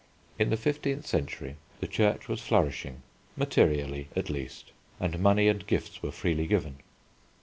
In the fifteenth century the church was flourishing materially, at least, and money and gifts were freely given.